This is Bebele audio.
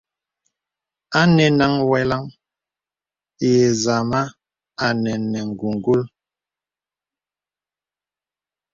Anɛnaŋ weləŋ yə̀ zàma à nə̀ nə̀ ngùngul.